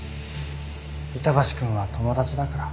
板橋くんは友達だから。